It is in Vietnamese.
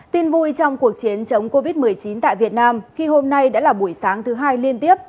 tin vui trong cuộc chiến chống covid một mươi chín tại việt nam khi hôm nay đã là buổi sáng thứ hai liên tiếp